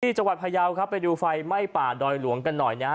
จังหวัดพยาวครับไปดูไฟไหม้ป่าดอยหลวงกันหน่อยนะฮะ